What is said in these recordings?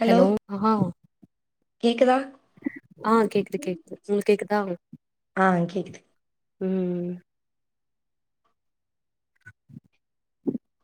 Hello hello ஹஹாவ் கேக்குதா ஆ கேக்குது கேக்குது உங்ளுக் கேக்குதா ஆ கேக்குது ம் ம்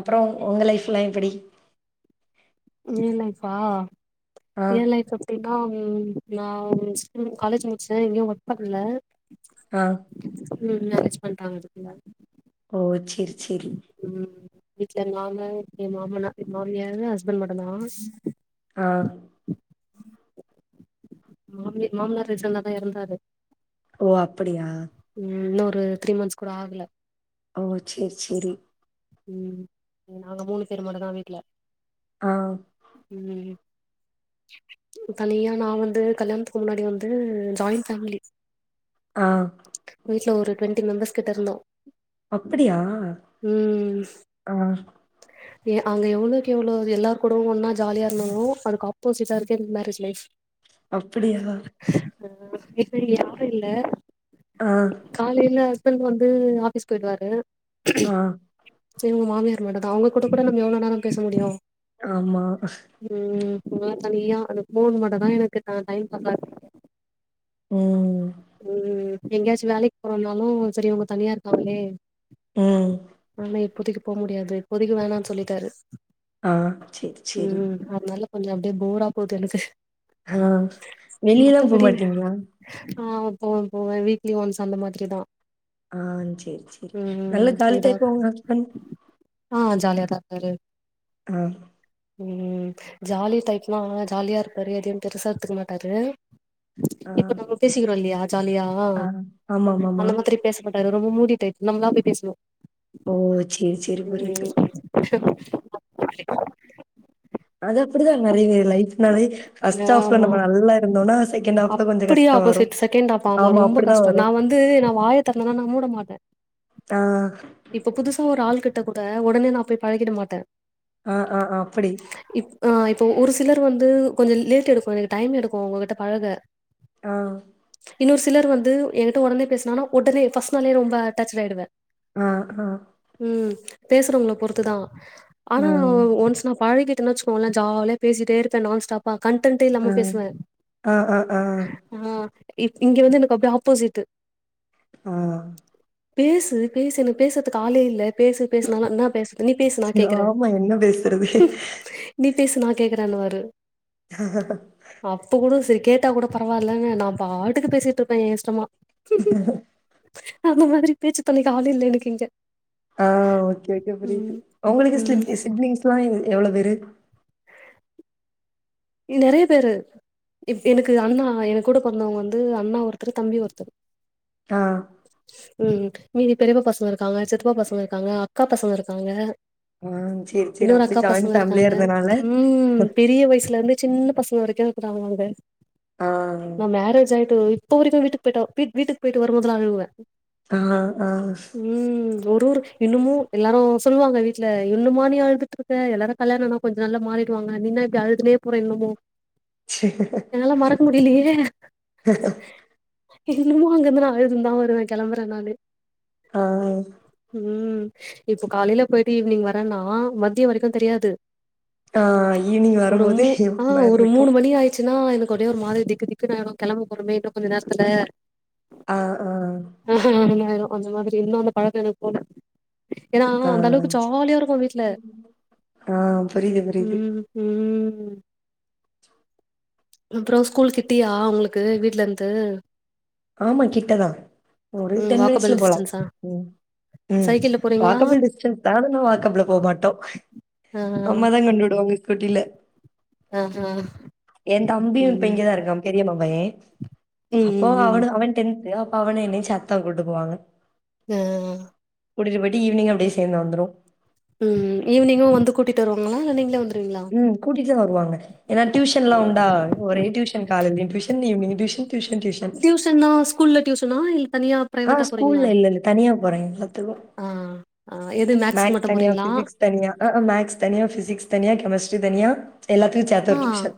அப்றோ உங்க லைஃப்லா எப்பிடி எ லைஃபா ஆ ஏ லைஃப்சப் தினாம் நா வுன்ஸ்ம் காலேஜ் முட்ச்சே எங்கியு ஒர்க் பண்ல ஆ ம் மேரேஜ் பண்ட்டாங்க அதுக்குள்ள ஓ செரி செரி ம் வீட்ல நானு எம் மாமனா எ மாமியாரு ஹஸ்பண்ட் மட்டுந்தா ஆ மாமி மாமனார் ரிசன்ட்டாதா எறந்தாரு ஓ அப்படியா ம் இன்னு ஒரு த்ரீ மந்த்ஸ் கூட ஆகல ஓ செரி செரி ம் நாங்க மூனு பேரு மட்டுதா வீட்ல ஆ ம் தனியா நா வந்து கல்யாண்த்துக்கு முன்னாடி வந்து ஜாயிண்ட் ஃபேம்லி ஆ வீட்ல ஒரு டுவெண்ட்டி மெம்பர்ஸ் கிட்ட இருந்தோ அப்பிடியா ஆ எ அங்க எவ்ளோக்கெவ்ளோ அது எல்லார் கூட ஒன்னா ஜாலியா இருந்தனோ அதுக்கு ஆப்போசிட்டா இருக்க இந் மேரேஜ் லைஃப் அப்புடியா இப்ப இங்க யாரூ இல்ல அ காலைல ஹஸ்பண் வந்து ஆஃபிஸ் பொய்டுவாரு ஆ சரி உங் மாமியார் மட்டு தா அவுங்க கூட நம் எவ்ளோ நேரொ பேச முடியூ ஆம்மா ம் ஒரு மார் தனியா அதுக் ஃபோன் மட்டு தா எனக்கு அ டைம் பாஸ் ஆக் ம் ம் எங்கேயாச்சு வேலைக்கு போறோன்னால்லூ சரி இவுங்க தனியாருக்காங்கலே ம் ஆனா இப்போதிக்கு போ முடியாது இப்போதைக்கு வேணான் சொல்லிட்டாரு ஆ சேரி சேரி உம் அத்னால கொஞ்சொ அப்டே போரா போது எனக்கு ஹா வெளியலா மத்தபடி போமாட்டீங்ளா ஆ போவ போவ வீக்லி ஒன்ஸ் அந்த மாதிரிதா ஆ சேர் சேரி ம் நல்ல ஜாலி இதா டைப்போ உங்க ஹஸ்பன் ஆ ஜாலியா தா இருப்பாரு அ ம் ஜாலி டைப்னா ஜாலியாருப்பாரு எதையும் பெருசா எத்துக்க மாட்டாரு அ பேசிக்கிறோல்லியா ஜாலியா ஆமாமாமா அந்த மாதிரி பேச மாட்டாரு ரொம் மூடி டைப் நம்ளா பொய் பெஸ்னு ஓ செரி செரி புரிது அது அப்புடிதா நறைய பேர் லைஃப்னாவே ஃபஸ்ட் ஆஃப்ல ஆமா நம்ம நல்லா இருந்தோன்னா செகண்ட் ஹாஃப்ல கொஞ்சொ கஷ்டொ வரு ஆம்மா அப்டி கஷ்டொ நா வந்து நா வாய தோரந்தனா நா மூட மாட்ட ஆ இப்போ புதுசா ஒரு ஆள் கிட்ட கூட ஒடனே நா பே பழகிட மாட்டெ அ அ ஆ அப்படி அ இப்போ ஒரு சிலர் வந்து கொஞ்சொ லேட் எடுக்கு எனக்கு டைம் எடுக்கு உங்ககிட்ட பழக அ இன்னொர் சிலர் வந்து எங்கிட்ட ஒடனே பேஸ்னானா ஒடர்னே பஃர்ஸ் நாளே ரொம்ப அட்டாச்டுட் ஆய்டுவே அ அ ம் பேசுறவங்கள பொறுத்துதா ஆனா ஆ ஒன்ஸ் நா பழகி டன் வச்சுக்கோல்ல ஜால்யா பேசிட்டேருப்பே நான்ஸ்டாப்பா கான்டன்ட்டே இல்லாம பேசுவே ஆ ஆ ஆ அ இ இங்கெ வந்து எனக்கு அப்டே ஆப்போசிட்டு அ பேசு பேசு என்னக் பேசற்துக் ஆளே இல்ல பேசு பேஸ்னாலா என்னா பேஸ் நீ பேசு சரி நாகேக்குற ஆமா என்ன பேசுறது ம்ஹ் நீ பேசு நா கேக்குறன்னுவாரு அப்ப குட செரி கேட்டா குட பரவால்லன்னு நாப்பாட்டுக்கு பேசிட்ருப்ப என் இஷ்டமா அந்த மாதிரி பேச்சு தோனைக்கு ஆளு இல்ல எனக்கிங்க ஆ ஓக்கே ஓக்கே புரிது உங்களுக்கு ம். சிலிப்பி சிப்லிங்ஸ்லா எவ் எவ்ளோ பேரு இ நெறைய பேரு இவ் எனக்கு அண்ணா எனக்கு கூட பொற்ந்தவங்க வந்து அண்ணா ஒருத்தரு தம்பி ஒருத்தரு ஆ ம் மீதி பெரியப்பா பசங்க இருக்காங்க சித்ப்பா பசங்க இருக்காங்க அக்கா பசங்க இருக்காங்க ஆ சேரி சேரி இன்னொரு அப்படி அக்கா ஜாயிண்ட் பசங்க ஃபேமிலியா இருக்காங்க இருந்தனால ம் பெரிய வயசுல இருந்து சின்ன பசங்க வரைக்கு இருக்குறாங்க அங்க ஆ நா மேரேஜ் ஆயிட்டு இப்ப வரைக்கு வீட்டுக்கு போய்ட்டா வீட்டுக் போயிட்டு வரும்போதுலா அழுவ ஆ ஆ ம் ஒரு ஒரு இன்னுமு எல்லாரு சொல்லுவாங்க வீட்ல இன்னுமா நீ அழ்துட்டுருக் க எல்லாரு கல்யாண ஆனா கொஞ்ச நாள்ல மாறிடுவாங்க நீ என்னா இப்டி அழுதுனே போற இன்னுமோ சரி. என்னால மறக்க முடிலியே இன்னுமோ அங்கிருந்து நா அழுதுன் தா வருவ கெளம்பற நாளு ஆ ம் இப்போ காலையில போயிட்டு ஈவினிங் வரன்னா மத்யோ வரைக்கு தெரியாது ஆ ஈவ்னிங் ஒரு வரும்போதே மூ ஆ ஒரு மூணு மணி ஆயிச்சுன்னா எனக்கு அப்டியே ஒரு மாதிரி திக்கு திக்குன்னு ஆய்டு கெளம்ப போறோமே இன்னு கொஞ்ச நேரத்துல ஆ ஆ ஆஹா நல்லாயிரு அந்த மாதிரி இன்னு அந்த பழக்கோ எனக் போல ஏன்னா ஆ அந்த அளவுக்கு சே ஜாலியா இருக்கு வீட்ல ஆ புரியுது புரியுது. ம் ம் அப்றோ ஸ்கூல் கிட்டியா உங்ளுக்கு வீட்ல இருந்து ஆமா கிட்டதா ஒரு ம் டென் வாக்கபிள் மினிட்ஸ்ல போலா டிஸ்டன்ஸா ம் ம் சைக்கிள்ல போறீங்களா வாக்கபுள் டிஸ்டன்ஸ் தா ஆனா என்ன வாக்கபுல போ மாட்டோ ஆ அம்மா தா கொண்டு உடுவாங்க ஸ்கூட்டில ஆ ஆ என் தம்பியு இப்ப ம் இங்கதா இருக்கான் பெரியம்மா பைய ம் அப்போ ம் ம் அவனு அவன் டென்த்து அப்ப அவனையு என்னையு சேத்தா கூட்டு போவாங்க ஆ கூடிட்டு போய்ட்டு ஈவினிங் ம் அப்டியே சேர்ந்து வந்துரு ம் ஈவினிங்கு வந்து கூட்டிட்டு வருவாங்ளா இல்ல நீங்ளே வந்துருவீங்ளா கூட்டிட்டுதா வருவாங்க ஏன்னா ஆ டியூஷன்லா உண்டா ஒரே டியூஷன் காலைலியு டியூஷன் ஈவினிங்கு டியூஷன் டியூஷன், டியூஷன். டியூஷன்னா ஸ்கூல்ல டியூஷனா இல்ல தனியா ஆ பிரைவேட்டா போறீங்களா ஸ்கூல்ல இல்ல இல்ல தனியா போற எல்லாத்துக்கு ஆ ஆ எது மேக்ஸ்க்கு மேக்ஸ் மட்டும் தனியா போறீங்களா பிசிக்ஸ் தனியா அ ஆ மேக்ஸ் தனியா பிசிக்ஸ் தனியா கெமிஸ்ட்ரி தனியா எல்லாத்தையு சேத்த ஒரு டியூஷன்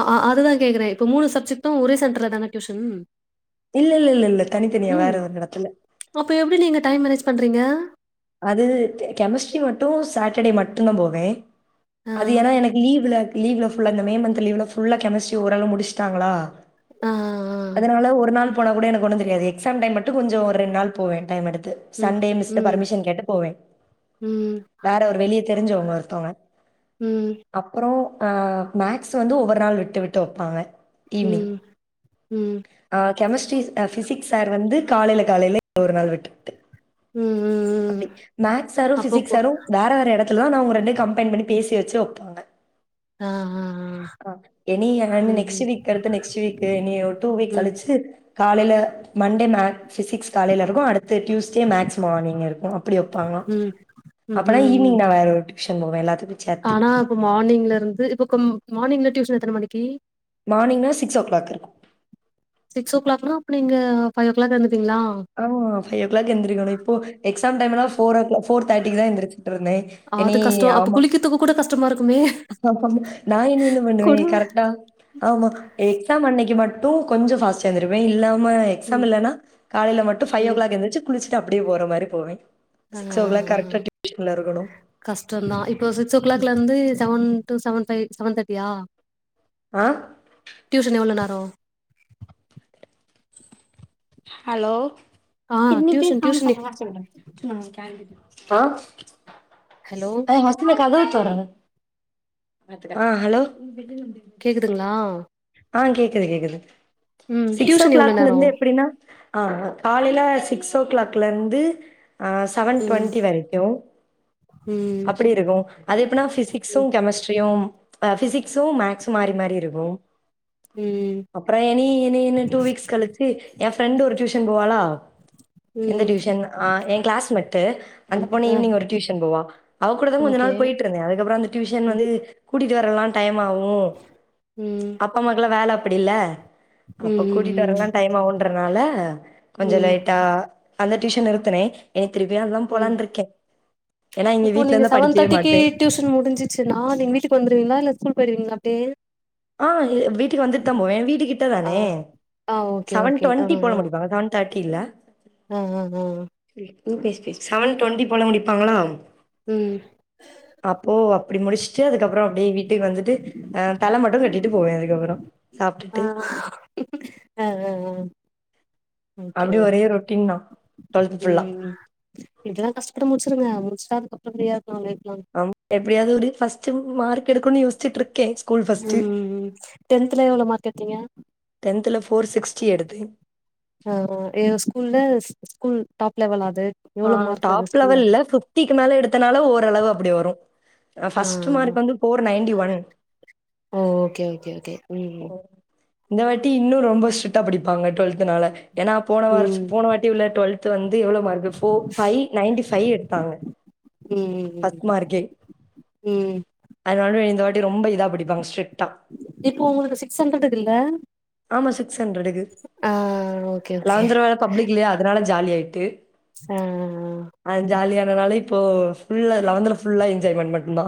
ஆ அ அதுதா கேக்குற இப்ப மூனு சப்ஜெக்டு ஒரே சென்டர்ல தான டியூசஷனு இல்லல்லல்லல்ல தனித்தனியா வேற ஒரு இடத்துல அப்போ எப்டி நீங்க டைம் மேனேஜ் பண்றீங்க அது கெமிஸ்ட்ரி மட்டு சாட்டர்டே மட்டு தா போவே ஆ அது ஏன்னா எனக்கு லீவ்ல லீ்வுல ஃபுல்ல இந்த மே மந்த் லீ்வ்ல ஃபுல்லா கெமிஸ்ட்ரி ஓரளவு முடிச்ட்டாங்ளா ஆ ஆ அதனால ஒரு நாள் போனா கூட எனக்கு ஒண்ணு தெரியாது எக்ஸாம் டைம் மட் ட்டு கொஞ்சோ ஒரு ரெண்ட் நாள் போவே டைம் எடுத்து ம் சண்டே மிஸ்ட ம் பர்மிஷன் கேட்டு போவே ம் வேற ஒரு வெளிய தெரிஞ்சவுங்க ஒருத்தவுங்க ம் அப்புறோ அ மேக்ஸ் வந்து ஒவ்வொரு நாள் விட்டு விட்டு வப்பாங்க ஈவினிங் ம் ம் ஆ கெமஸ்ட்ரி பிசிக்ஸ் சார் வந்து காலையில காலையில ஒரு நாள் விட்டு விட்டு ம் ம் அப்டி மேக்ஸ் சாரு அப்போ பிசிக்ஸ் போ சாரு வேற வேற இடத்துலதா ஆனா அவுங்க ரெண்டு கம்பைன் பண்ணி பேசி வச்சு வப்பாங்க ஆ ஆ ஆ இனி அதுலந் நெக்ஸ்ட் ம் வீக் அடுத்து நெக்ஸ்ட் வீக்கு இனி ஒரு டூ வீக் ம் கழிச்சு காலையில மண்டே மேக்ஸ் ஃபிசிக்ஸ் காலையில இருக்கு அடுத்து டியூஸ்டே மேக்ஸ் மார்னிங் இருக்கு ப்படி வப்பாங்க ம் ம் அப்பனா ம்ஹ்ம் ஈவினிங் நா வேற ஒரு டியூஷன் போவே எல்லாத் ஆனா இப்ப மானிங்ல இருந்து இப்ப க மானிங்ல டியூஷன் எத்தன மணிக்கு மானிங்னா சிக்ஸோ கிளாக் இருக்கு சிக்ஸோ கிளாக்னா அப்ப நீங்க ஃபைவ் ஓ கிளாக் எழுந்திப்பீங்ளா ஆமா ஃபைவ் ஓ கிளாக் எந்திரக்கணு ப்ப எக்ஸாம் டைம்னா ஃபோர் ஓ கிளாக் ஃபோர் தேட்டிக்கு தா எந்திரிச்சுட்டு இருந்தே எனி ஆமா துக்கு கூட கஷ் நா இனி என்ன பண்ணுவே கொடும கரெட்டா ஆமா எக்ஸாம் அன்னைக்கு மட்டு கொஞ்சோ ஃபாஸ்ட்டா எந்திருப்பே இல்லாம எக்ஸாம் ம் இல்லன்னா காலைல மட்டு ஃபைவ் ஓ ம் கிளாக் எந்துருச்சி குளிச்சுட்டு அப்டியே போற மாரி போவே ஆ ஆ சிக்ஸ் ஆ ஓ கிளாக் கரெக்ட்டா டியூசன்ல இருக்கணு கஷ்டந்தா இப்போ சிக்ஸ் ஓ கிளாக்லந்து seven two seven five seven தேட்டியா ஆ டியூஷன் எவ்ளோ நேரோ ஹலோ ஆ இன்னிக்கி டியூஷன் டியூஷன் சாம்சன் வர சொல்றே ஹலோ ஆ [unintelligible] ஆ ஹலோ கேக்குதுங்ளா ஆ கேக்குது கேக்குது ம் சிக்ஸ் ஓ டியூஷன் எவ்ளோ கிளாக்ல நேரோ இந்து அப்டினா ஆ ஆ காலைல சிக்ஸோ கிளாக்ல இருந்து ஆ செவன் ம் டொண்ட்டி வரைக்கு ம் அப்டி இருக்கு அது எப்புனா ஃபிசிக்சு ம் கெமிஸ்ட்ரியு அ ஃபிசிக்சு மேக்சு மாரி மாரி இருக்கு ம் அப்றோ எனி எனின டூ வீக்ஸ் கழிச்சு எ ஃப்ரெண்ட் ஒரு டியூஷன் போவாளா எந்த ம் டியூஷன் ஆ எ கிளாஸ் மெட்டு அந்த பொண்ணு ஆ ஈவினிங் ஒரு டியூஷன் போவா அவ கூடதா கொஞ்ச ஓகே நாள் போயிட் ருந்தே அதுக்கப்பறோ அந்த டியூஷன் ம் வந்து கூட்டிட்டு வரலா டைம் ஆவு ம் அப் பா அம்மாக்கல்லா வேல அப்டி இல்ல ம் அப்ப கூட்டிட்டு ம் வரலா ம் டைம் ஆவுன்றனால கொஞ்ச ம் லேட்டா அந்த டியூஷன் நிறுத்துனே எனக் திருப்பியு அதா ம் போலான்ருக்கே ஏன்னா இங்க வீட்ல இந்தா படிக்கவே மாட்டே யூசன் முடிஞ்சிச்சினா நீங்க வீட்டுக் வந்துருவீங்ளா இல்ல ஸ்கூல் போயிருவீங்ளா அப்டே ஆ வீட்டுக்கு வந்துட் தா போவே வீட்டு கிட்ட ஆ தானே ஆ ஓகே செவன் ஓகே டொண்ட்டி போல முடிப்பாங்க செவன் தேட்டில அ அ அ செவன் டொண்டி போல முடிப்பாங்ளா ம் அப்போ அப்டி முடிச்சுட்டு அதுக்கப்பறோ அப்டியே வீட்டுக்கு வந்துட்டு அ தலம ட்டு கட்டிட்டு போவே அதுக்கப்பறோ ஆ அ அ அ அப்டி ஒரே ரொட்டீன் தா டுவெல்த் ஃபுல்லா இப்டிலா கஷ்டப்பட்டு முட்ச்சிருங்க முட்ச்சுட்டா அதுக்கப்பறோ ஃபிரீயா இருக்கலா லைஃப் லாங் எப்டியாவது ஒரு ஃபஸ்ட்டு மார்க் எடுக்கணு யோசிச்சுட்ருக்கே ம் டென்த்ல எவ்ளோ மார்க் எட்த்தீங்க டென்த்துல ஃபோர் சிக்ஸ்டி எடுத்தே ஓ எ ஸ்கூல்ல ஸ்கூல் டாப் லெவலா அது ஆ எவ்ளோ மார்க் அது டாப் ஸ்கூல்ல லெவல் இல்ல ஃபிஃப்டிக்கு மேல எடுத்தனால ஓரளவு அப்படி வரு அ ஆ ஃபஸ்ட்டு மார்க்கு வந்து ஃபோர் நைன்டி வன் ஓ ஓகே ஓகே ஓகே ம் இந்த வாட்டி இன்னு ரொம்ப ஸ்ட்ரிட்டா பிடிப்பாங்க டுவல்த்துனால ஏனா போன வார்ஸ் ம் போன வாட்டி உள்ள டுவல்த் வந்து எவ்ளோ mark four five ninety five எடுத்தாங்க ம்ம் ஹஸ்மார்க்கே அதனாலு இந்த வாட்டி ரொம்ப இத் இப்போ உங்குளுது சிக்ஸ் ஹண்ட்ரடுக் இல்ல ஆமா சிக்ஸ் ஹண்ட்ரடுக்கு ஆ ஓகே ஓகே பப்ளிக் இல்லயா அதனால ஜாலியா ஆய்ட்டு ஆ ஆ ஆ ஆ ஜாலியானனால இப்போ ஃபுல்லா லவன்த்துல ஃபுல்லா என்ஜாய்மெண்ட் மட்டுன்தா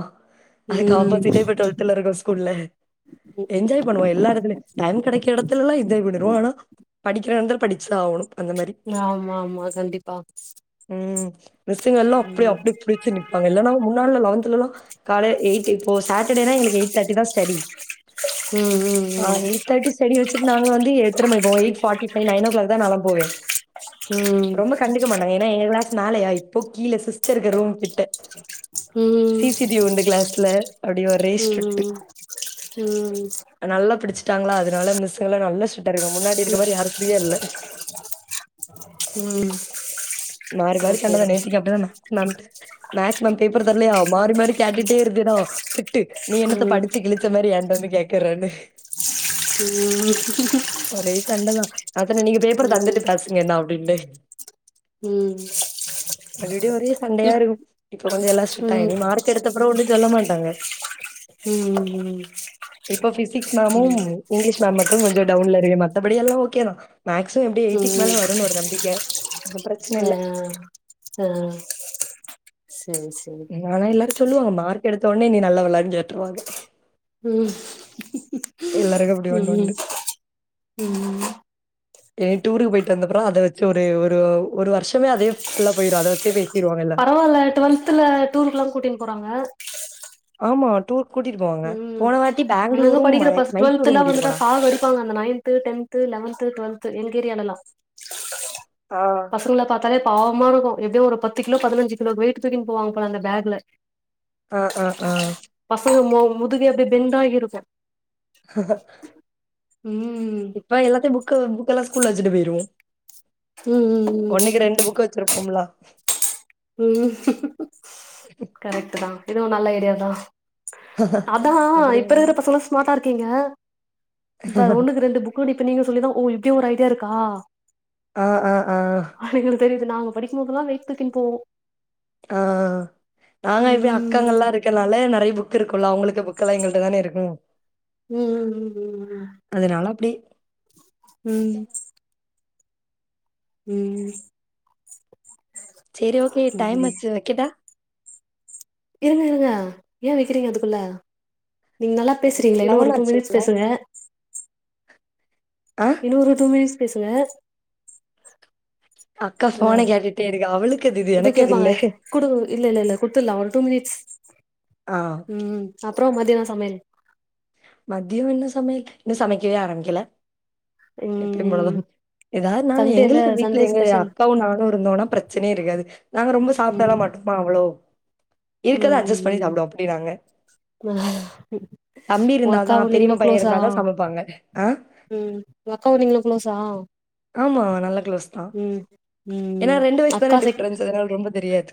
அதுக் ம் ஆப்போசிட்டே இப்ப டுவல்த்துல ருக்கோ ஸ்கூல்ல ம் என்ஜாய் பண்ணுவோ எல்லா எடத்திலி டைம் கெடைக்க எடத்துலல்லா என்ஜாய் பண்ணுனு ஆனா படிக்கிறன்ற படிச்சு ஆவுனு அந்த மாரி ஆமா ஆமா கண்டிப்பா ம் மிஸ்சுங்கள்ளா அப்டி ம் அப்டி ப்டி ஸி நிப்பாங்க இல்லனா முன்னாடில்ல லவன்த்துலலா காலே எய்ட் இப்போ சட்டடேனா எங்களுக் எய்ட் தட்டி தா ஸ்டடி ம்ம்ம் தட்டி ஸ்டடி வச்சிட் நாங்க வந்து எத்துற மை பாய் eight forty five nine o'clock தா நாலா போவே ம் ரொம்ப கண்டுக்க மாட்டாங்க ஏன்னா எங்க க்ளாஸ் மேலயா இப்போ கீழே சிஸ்டருக்கு ரூம் கிட்ட ம் சிசிடிவி உண்டு க்ளாஸ்ல அப்டி ஒரே ஸ்ட்ரிட்டு ம் ம் நல்லா பிடிச்சிட்டாங்ளா அதனால மிசுங்கல நல்லா ஸ்ட்ரிட் ட்டருக்க முன்னாடி இருக்க மாரி யாருஷ் ஃப்ரீயா இல்ல ம் மாறி மாறி சண்டதா ஓகேடா நேத்திக் அப்டிதா நா நம்ட்டு மேக்ஸ் மேம் பேப்பர் தர்லயா மாறி மாறி கேட்டுட்டே இருந்தேனோ திட்டு நீ என்னத்த ம் படிச்சு கிழிச்ச மாரி என்ட்ட வந்து கேக்குறன்னு ம் ஒரே சண்டதா அத்தான நீங்க பேப்பர ம் தந்துட்டு பேசுங்க என்னா அப்டின்னே ம் அப்டிப்டி ஒரே சண்டயா இப் இருகும் டி பொகஞ்ச எல்லா ம் ஸ்ரிட்டா இனி மார்க் எட் எத்தப்றோ ஒண்ணு ஜொல்ல மாட்டாங்க ம் ம் இப்ப ஃபிசிக்ஸ் ம் மேமும் இங்லீஷ் மேம் மட்டு கொஞ்சோ டவ்ன்ல ருக்கு மத்தபடி எல்லா ஓகே தா மேக்சிம எப்டி எய்ட்டிக் மேல வருன் ஒரு நம்பிக்க துகப்றச்னல்ல ஆ தா உம் சே ஆனா எல்லாரு ச்சொல்லுவாங்க மார்க் எடுத்த உனே நீ நல்லவளான் ஜோட்ருவாங்க ம் எல்லாருக்கு அப்டி வண்ட் ம் உண்டு ம் ஏ டூருக்கு போய்ட் வந்த் அப்றோ அத வெச்சு ஒரு ஒரு ஒரு வர்ஷமே அதே ஃபுல்லா போயிரு அத வச்சே பேசிருவாங்க எல்லா பரவால்ல டுவல்த்துல டூருக்குல்லா கூட்டின் போறாங்க ஆமா டூர் கூட்டிட்டு போவாங்க. ம் போன வாட்டி அங்கங்க பெங்களூரும், மை படிக்கிற பஸ்ட் மைசூரும் டுவல்த்துலா கூட்டிட்டு வந்துட்டா போனாங்க. ஸாக் அடிப்பாங்க அந்த நைன்த் து டென்து லெவன்து டுவெல்த் எங்க ஏரியாலல்லா ஆ பசங்கள பாத்தாலே பாவமா இருக்கு எப்டியோ ஒரு பத்து கிலோ பதினஞ்சு கிலோ வெயிட்டு தூக்கினு போவாங்க போல அந்த பேக்ல ஆன் ஆன் ஆன் பசங்க மொ முதுகே அப்டியே பெண்டாகி இருக்கு ம் ப்ப எல்லாத்த புக்க புக்கெல்லா ஸ்கூல வச்சுட்டு போய்ருவே ம் ம் ஒன்னுக்கு ரெண்டு புக் வச்சிருப்போம்லா ம் கரெக்ட் தா இதுவு நல்ல ஐடியா தா அதா அப்படியா? இப்ப இருக்குற பசங்களா ஸ்மாட்டா இருக்கீங்க இப்ப ஒன்னுக்கு ரெண்டு புக் கூட இப்ப நீங்க சொல்லிதா ஓ இப்டி ஒரு ஐடியா இருக்கா ஆன் ஆன் ஆன் அவளுக்கு தெரியுது நாங்க படிக்குபோதல்லா வெய்ட் தூக்கினு போவோ ஆ நாங்க எப்டி ம் அக்காங்கலா இருக்கனால நெறய புக் இருக்கும்ல்ல அவங்களுக்கு புக்கெல்லா எங்கள்ட்ட தான இருக்கு ம் ம் ம் அதனால அப்டி ம் ம் ம் ம் சரி ஓகே டைம் ஆச்சி வெக்கட்டா இருங்க இருங்க ஏ வக்கிறீங்க அதுக்குள்ள நீங்க நல்லா பேசுறீங்ளே இன்னு ஒரு லெவன் டூ ஆச்சு மினிட்ஸ் பேசுங்க ஆ இன்னொரு ட்உ மினிட்ஸ் பேசுங்க அக்கா இல்ல போன கேட்டுட்டே இருக்கா அவளுக்கது இது எனக்கது இல்ல கேப்பாங்க குடு இல்ல இல்ல இல்ல குடுத்துடலா ஒரு டூ மினிட்ஸ் ஆ ஓகே ம் அப்றோ மதிய என்ன சமயல் மதியம் என்ன சமயல் இன்னு சமைக்கவே ஆரமிக்கல ம் எதாது நானு சண்டேல எங்களுக்கு வீட்ல சண்டே எங்க ஸ்பெஷல் அக்காவும் நானு இருந்தோனா பிரச்சனயே இருக்காது நாங்க ரொம்ப ம் சாப்புடல மாட்டோமா அவ்ளோ ம் இருக்கறத ம் அட்ஜஸ் பண்ணி ம் சாப்புடுவ அப்டி நாங்க தம்பி உங்க இருந்தா தா அக்காவு பெரியம்மா நீங்களு பைய க்ளோஸா இருந்தாதா சமைபாங்க ஆன் ம் அக்காவு நீங்களு க்ளோஸா ஆமா நல்ல க்ளோஸ் தா ம் ம் ஏன்னா ரெண்டு வயசு தானே அக்கா செக் டிப்ரன்ஸ் அதனால ரொம்ப தெரியாது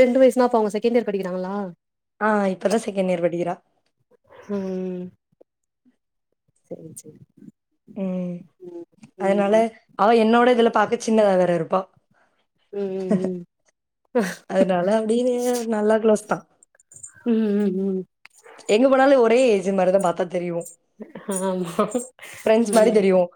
ரெண்டு வயசுனா அப்ப அவுங்க செகண்ட் இயர் படிக்கிறாங்களா ஆண் இப்பதா செகண்ட் இயர் படிக்கிறா ம் செரி செரி ம் அதனால அவ என்னோட இதுல பாக்க சின்னதா வேற இருப்பா ம் ஹ ம் அதனால அப்டியின்னே நல்லா க்ளோஸ் தா ம் ம் ம் ம் எங்க போனாலு ஒரே ஏஜூன் மாரி தா பாத்தா தெரியு ஆமா ப்ரெண்ட்ஸ் மாரி ம் தெரிவோன்